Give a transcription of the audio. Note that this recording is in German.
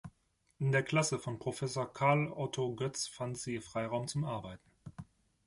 In der Klasse von Professor Karl Otto Götz fand sie Freiraum zum Arbeiten.